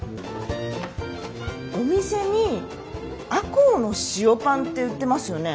お店に赤穂の塩パンって売ってますよね。